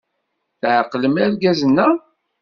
Tɛeqlem irgazen-a?